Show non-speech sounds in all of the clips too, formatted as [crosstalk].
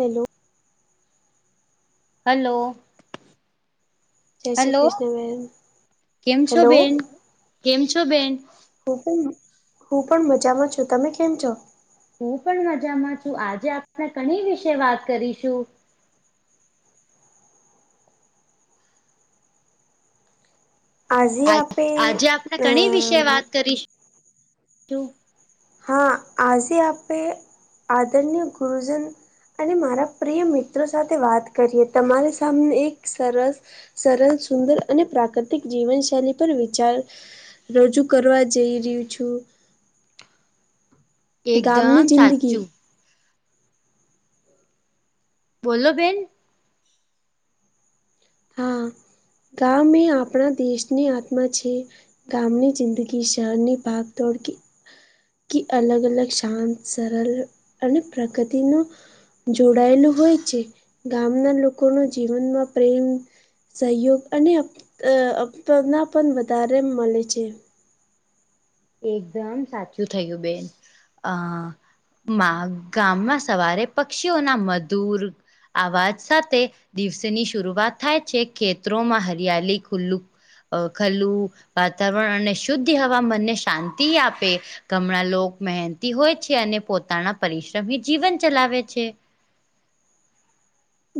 Hello hello જય Shri hello, Krishna બહેન કેમ છો હેલો બેન? કેમ છો બેન? હું પણ હું પણ મજામાં છું. તમે કેમ છો? હું પણ મજામાં છું આજે આપણે કણી વિશે વાત કરીશું. આજે આપે આપણે અ ઘણી વિશે કરીશું? હા આઝે આપે આદરણી્ય ગુરુજન અને મારા પ્રિય મિત્રો સાથે વાત કરીએ. તમારી સામને એક સરસ સરળ સુંદર અને પ્રાકૃતિક જીવનશૈલી પર વિચાર રજૂ કરવા જઈ રહ્યું છું. એકદમ ગામની જિંદગી સાચું બોલો બેન, હા ગામ એ આપણા દેશની આત્મા છે. ગામની જિંદગી શહેરની ભાગ દોડ કે અલગ અલગ શાંત, સરળ અને પ્રગતિનો જોડાયેલું હોય છે ગામના લોકોનું જીવનમાં પ્રેમ સહયોગ અને અપ અહ આપના પન વધારે મલે છે. એકદમ સાચું થયું બેન અહ. માં ગામમાં સવારે પક્ષીઓના મધુર આવાજ સાથે દિવસેની શરૂઆત થાય છે ખેતરોમાં હરિયાલી ખુલ્લું અહ ખલ્લું વાતાવરણ અને શુદ્ધ હવા મનને શાંતિ આપે ગમણાં લોકો મહેનતી હોય છે અને પોતાના પરિશ્રમથી જીવન ચલાવે છે.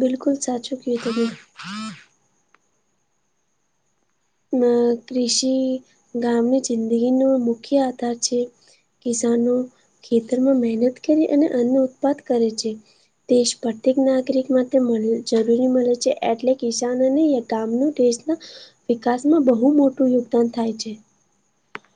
બિલકુલ સાચું કીધું બેન. અહ કૃષિ ગામની જિંદગીનો મુખ્ય આધાર છે. કિસાનો ખેતરમાં મહેનત કરી અને અન્ન ઉત્પાદ કરે છે. દેશ પ્રત્યેક નાગરિક માટે મળ જરૂરી મલે છે એટલે કિસાનને ગામનું દેશ તો વિકાસમાં બહુ મોટું યોગદાન થાય છે.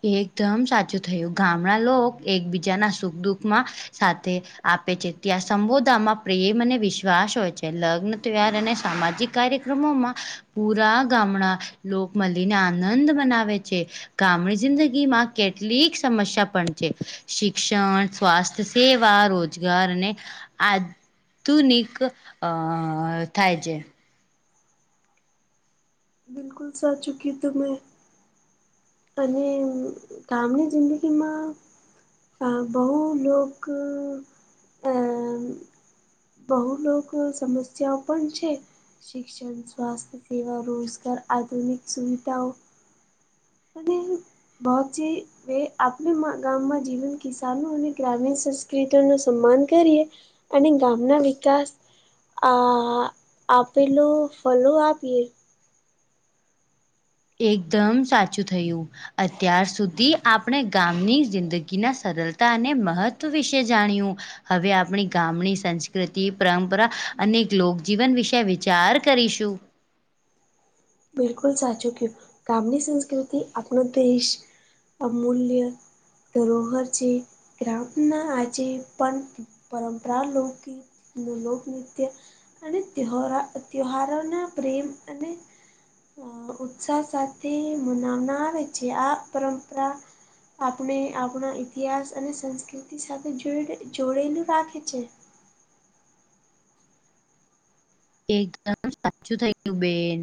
એકદમ સાચું થયું ગામડા લોકો એકબીજાના સુખ દુખ માં સાથે આપે છે ત્યાં સંબોધામાં પ્રેમ અને વિશ્વાસ હોય છે લગ્ન તે યાર એને સામાજિક કાર્યક્રમોમાં પૂરા ગામડા લોક મળલીને આનંદ મનાવે છે. ગામડી જિંદગીમાં કેટલીક સમસ્યા પણ છે શિક્ષણ સ્વાસ્થ્ય સેવા રોજગાર અને આ તુંનિક અહ થાય છે. બિલકુ સાચુ કીધું મેં અને ગામની જિંદગીમાં અહ બહુ લોક અમ્મ બહુ લોકો સમસ્યાઓ પણ છે શિક્ષણ સ્વાસ્થ્ય સેવા રોજગાર આધુનિક સુવિધાઓ અને બોહ જે તે આપને માં ગામમાં જીવન કિસાનો અને ગ્રામીણ સંસ્કૃતિઓ નો સન્માન કરીએ અને ગામના વિકાસ આ આપેલું ફલું આપીએ એકદમ સાચું થયું. અત્યાર સુધી આપણે ગામની જિંદગીના સરળતા અને મહત્વ વિશે જાણ્યું. હવે આપણી ગામની સંસ્કૃતિ પરંપરા અને એક લોકજીવન વિશે વિચાર કરીશું. બિલકુલ સાચું ક્યું ગામની સંસ્કૃતિ આપનો દેશ અમૂલ્ય ધરોહર છે ગ્રામના આજે પણ પરંપરા લૌકિક નું લોકનૃત્ય અને ત્યોહ-તહારોના પ્રેમ અને અહ ઉત્સાહ સાથે મનાવના આવે છે આ પરંપરા આપણે આપણા ઇતિહાસ સંસ્કૃતિ સાથે જોડે જોડેલું રાખે છે. એકદમ સાચું થઈ ગયું બેન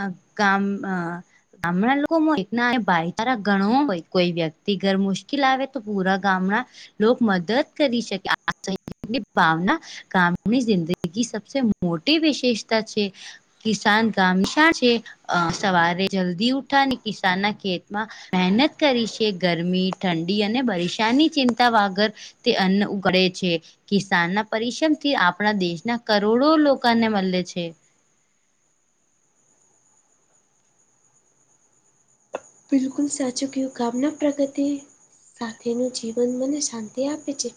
અહ કામ અહ ગામડા લોકો હોય ભાઈ ચારો ગણો હોય કોઈ વ્યક્તિ ઘર મુશ્કેલ આવે તો પુરા ગામડા લોક મેદદ કરી શકે આની ભાવના ગામની જિંદગી સપ છે મોટી વિશેષતા છે કિસાન ગામાશા છે અહ સવારે જલ્દી ઉઠા અને કિસાનના ખેતમાં મહેનત કરી છે ગરમી ઠંડી અને બરીસાની ચિંતા વાગર તે અન્ન ઉગડે છે કિસાન ના પરિશ્રમથી આપણા દેશના કરોડો લોકા ને મલે છે. બિલકુલ સાચુ કયું કામના પ્રગતિ સાથેનું જીવન મને શાંતિ આપે છે.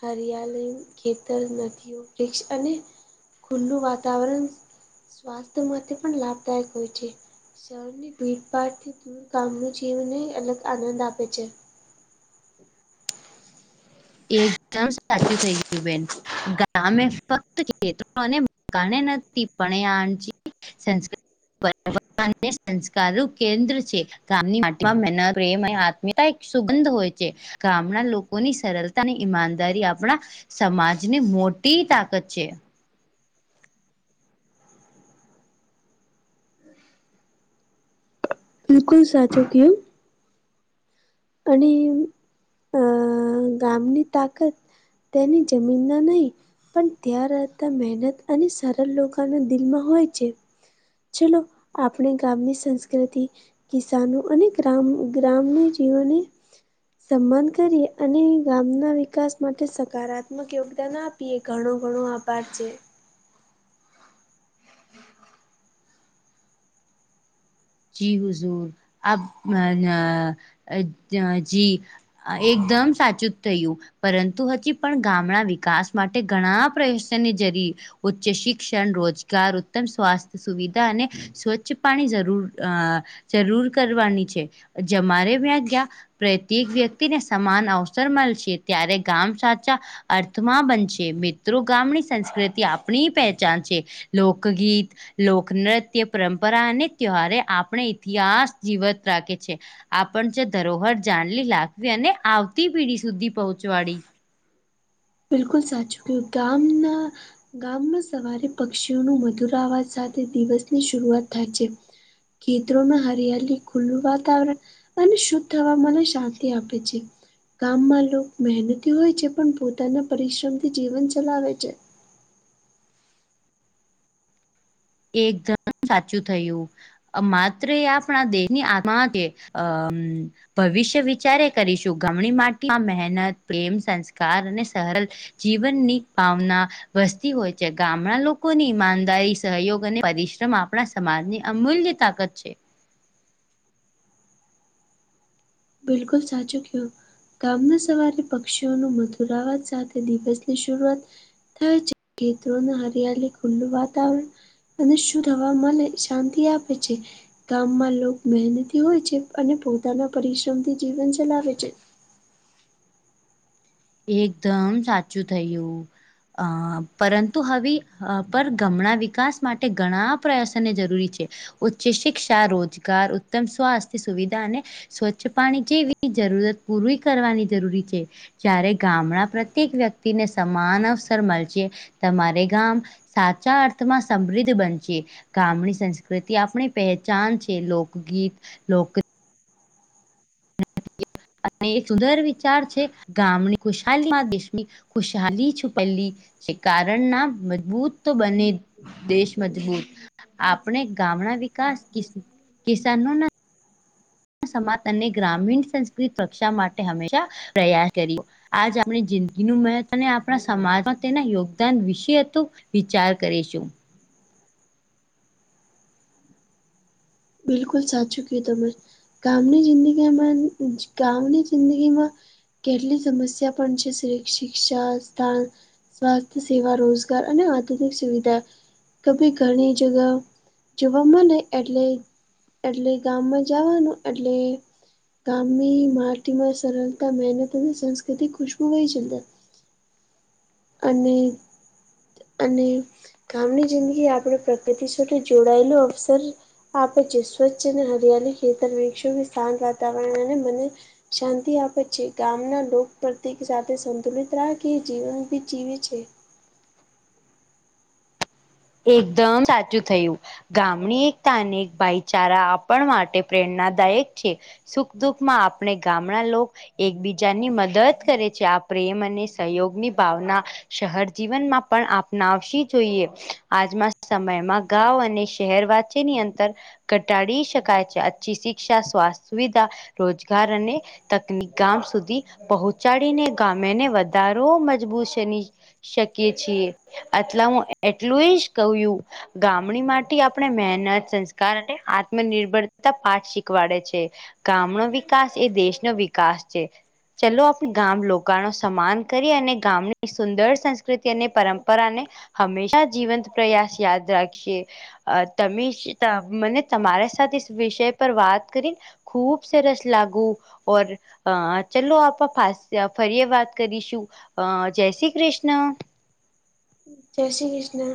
હરિયાલી, ખેતર, નદીઓ વૃક્ષ અને ખુલ્લું વાતાવરણ સ્વાસ્થ્ય માટે પણ લાભદાયક હોય છે શહેરની ભીડભાડથી દૂર. [unintelligible] અલગ આનંદ આપે છે. એકદમ સાચું થઈ ગયું બેન ગામે ફક્ત [unintelligible] [unintelligible] [unintelligible] સંસ્કારું કેન્દ્ર છે. ગામની [unintelligible] મહેનત પ્રેમ અને આત્મીતા એક સુગંધ હોય છે ગામના લોકોની સરળ ની ઈમાનદારી આપણા સમાજની મોટી તાકત છે. બિલકુલ સાચું કીયું. અને અ ગામની તાકત તેની જમીનના નહી. પણ ત્યાં રહેતા મહેનત અને સરળ લોકોના દિલમાં હોય છે. ચલો આપણે ગામની સંસ્કૃતિ કિસાનો અને ગ્રામ ગ્રામને જીવને સન્માન કરી અને ગામના વિકાસ માટે સકારાત્મક યોગદાન આપ- એ ઘણો ઘણો આભાર છે. જી હજૂર [unintelligible] અ એકદમ સાચું જ થયું. પરંતુ હજી પણ ગામના વિકાસ માટે ઘણા પ્રયસની જરી ઉચ્ચ શિક્ષણ રોજગાર ઉત્તમ સ્વાસ્થ્ય સુવિધા અને સ્વચ્છ પાણી જરૂર અ જરૂર કરવાની છે જમારે વ્યાં [unintelligible] પ્રત્યેક વ્યક્તિને સમાન અવસર મળશે ત્યારે ગામ સાચા અર્થમાં બનશે. મિત્રો ગામની સંસ્કૃતિ આપણી પહેચાન છે. લોકગીત લોકનૃત્ય પરંપરા અને [unintelligible] આપણે ઇતિહાસ જીવંત રાખે છે. આપણ જે ધરોહર જાણવી રાખવી અને આવતી પીઢી સુધી પહોંચવાડી. બિલકુલ સાચું કયું ગામના ગામમાં સવારે પક્ષીઓનું મધુર આવાજ સાથે દિવસની શરૂઆત થાય છે. ખેતરોમાં હરિયાલી ખુલ્લું વાતાવરણ અને શુદ્ધ હવા મને શાંતિ આપે છે. ગામમાં લોકો મહેનતી હોય છે પણ પોતાના પરિશ્રમથી જીવન ચલાવે છે. એકદમ સાચું થયું. અ માત્ર એ આપણા દેહની આત્મા કે અ મ ભવિષ્ય વિચારે કરીશું ગમણી માટીમાં મહેનત પ્રેમ સંસ્કાર અને સરલ જીવનની ભાવના વસતી હોય છે. ગામનાં લોકોની ઈમાનદારી સહયોગ અને પરિશ્રમ આપણા સમાજની અમૂલ્ય તાકત છે. બિલકુલ સાચું કહ્યું. ગામના સવારે પક્ષીઓનું મધુર અવાજ સાથે દિવસની શરૂઆત થાય છે. ખેતરનું હરિયાળલી ખુલ્લું વાતાવરણ અને શુદ્ધ હવામાં મને શાંતિ આપે છે. ગામમાં લોકો મહેનથી હોય છે અને પોતાના પરિશ્રમથી જીવન ચલાવે છે. એકદમ સાચું થયું. અ પરંતુ હવે પર ગમણાં વિકાસ માટે ઘણા પ્રયાસોની જરૂરી છે. ઉચ્ચ શિક્ષા, રોજગાર, ઉત્તમ સ્વાસ્થ્ય સુવિધા અને સ્વચ્છ પાણી જેવી જરૂરત પૂરી કરવાની જરૂરી છે. જ્યારે ગામના પ્રત્યેક વ્યક્તિને સમાન અવસર મળશે તમારે ગામ સાચા અર્થમાં સમૃદ્ધ બનશે. ગામની સંસ્કૃતિ આપણી પહેચાન છે લોકગીત લોક અને એક સુંદર વિચાર છે ગામની ખુશહાલીમાં દેશની ખુશહાલી છુપેલી જે કારણ ના મજબૂત તો બને દેશ મજબૂત આપણે ગાામના વિકાસ [unintelligible] સમાજ અને ગ્રામીણ સંસ્કૃત રક્ષા માટે હંમેશા પ્રયાસ કર્યો. આજ આપણી જિંદગીનું મહત્વ અને આપણા સમાજમાં તેના યોગદાન વિશે હતું. વિચાર કરીશું. બિલકુલ સાચું કીધું તમે. ગામની જિંદગીમાં ગામની જિંદગીમાં કેટલી સમસ્યા પણ છે શ શિક્ષા સ્થાન સ્વાસ્થ્ય સેવા રોજગાર અને આધુનિક સુવિધા ક ભી ઘણી જગા જોવામાં નહી એટલે એટલે ગામમાં જવાનું એટલે ગામની માટીમાં સરળતા મહેનત અને સંસ્કૃતિ ખુશ્બુ વહી જતા. અને અને ગામની જિંદગી આપણે પ્રકૃતિ સાથે જોડાયેલો અવસર આપે છે સ્વચ્છ અને હરિયાળી ખેતર શાંત વાતાવરણ અને મનને શાંતિ આપે છે ગામના લોક પ્રત્યેક સાથે સંતુલિત રાખી જીવન જીવે છે એકદમ સાચું થયું ગામની એકતા અને એક ભાઈચારા આપણ માટે પ્રેરણાદાયક છે. સુખ દુઃખ માં આપણે ગામના લોક એકબીજાની મદદ કરે છે આ પ્રેમ અને સહયોગની ભાવના. શહર જીવનમાં પણ અપનાવશી જોઈએ. આજમાં સમયમાં ગાંવ અને શહેર વચ્ચેની અંતર ઘટાડી શકાય છે અચ્છી શિક્ષા સ્વાસ્થ્ય સુવિધા રોજગાર અને તકની ગામ સુધી પહોંચાડીને ગામેને વધારો મજબૂતની શકીએ છીએ આટલા હું એટલું જ કહ્યું ગામ ની માટી આપણે મહેનત સંસ્કાર અને આત્મનિર્ભરતા પાઠ શીખવાડે છે. ગામનો વિકાસ એ દેશનો વિકાસ છે. ચલો આપ ગામ લોકો નો સન્માન કરી અને ગામની સુંદર સંસ્કૃતિ અને પરંપરાને હંમેશા જીવંત પ્રયાસ યાદ રાખીએ. અ તમે મને તમારા સાથે વિષય પર વાત કરીને ખૂબ સરસ લાગુ ઓર ચલો આપ પા ફરી વાત કરીશું. અ જય શ્રી કૃષ્ણ જય શ્રી કૃષ્ણ